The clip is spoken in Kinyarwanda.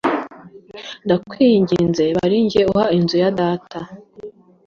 Ndakwinginze ba ari njye uha inzu ya data.